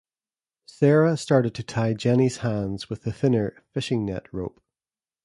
Sarah started to tie Jenny's hands with the thinner "fishing-net" rope.